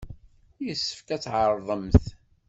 Yessefk ad tɛerḍemt.